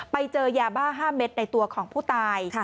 ไปเจอยาบ้า๕เม็ดในตัวของผู้ตาย